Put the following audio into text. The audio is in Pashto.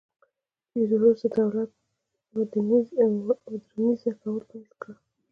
تیودوروس د دولت م وډرنیزه کول پیل کړل.